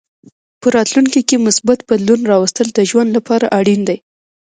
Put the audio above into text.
په راتلونکې کې مثبت بدلون راوستل د ژوند لپاره اړین دي.